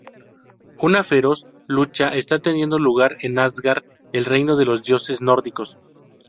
Una feroz lucha está teniendo lugar en Asgard, el reino de los Dioses Nórdicos.